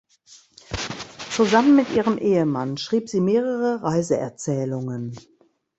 Zusammen mit ihrem Ehemann schrieb sie mehrere Reiseerzählungen.